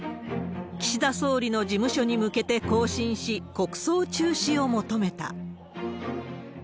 岸田総理の事務所に向けて行進し、国葬中止を求めた。